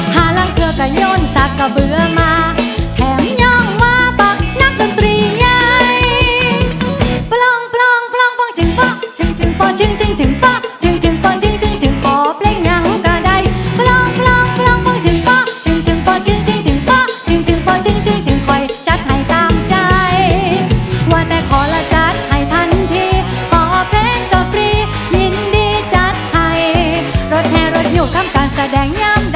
หารังเถอะก็ยนต์ซากก็เบื่อมาแถมย้องว่าปะนักรุ่นตรีใหญ่